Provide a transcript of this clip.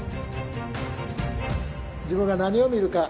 自分が何を見るか。